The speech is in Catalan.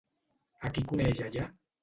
A qui coneix allà?